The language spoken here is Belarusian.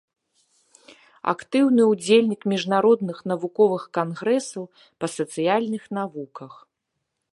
Актыўны ўдзельнік міжнародных навуковых кангрэсаў па сацыяльных навуках.